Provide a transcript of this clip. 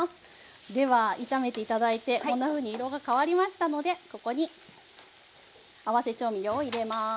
では炒めて頂いてこんなふうに色が変わりましたのでここに合わせ調味料を入れます。